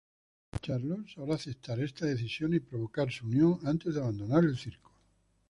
Charlot sabrá aceptar esta decisión y provocar su unión antes de abandonar el circo.